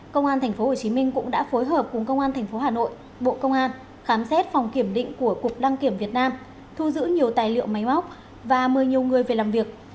công an tp hcm cũng đã phối hợp cùng công an tp hà nội bộ công an khám xét phòng kiểm định của cục đăng kiểm việt nam thu giữ nhiều tài liệu máy móc và mời nhiều người về làm việc